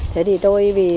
thế thì tôi đi qua cái bãi đó